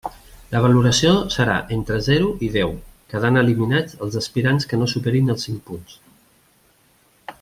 La valoració serà entre zero i deu, quedant eliminats els aspirants que no superin els cinc punts.